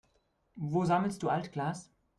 Wo sammelst du Altglas?